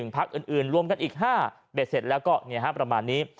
พักอื่นรวมกันอีก๕เบ็ดเสร็จแล้วก็ประมาณนี้